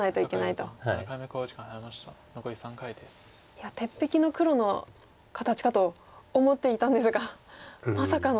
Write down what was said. いや鉄壁の黒の形かと思っていたんですがまさかの。